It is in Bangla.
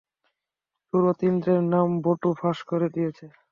চোর অতীন্দ্রের নাম বটু ফাঁস করে দিয়েছে।